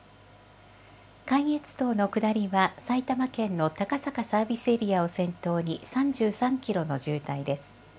関越道の下りは埼玉県の高坂サービスエリアを先頭に３３キロの渋滞です。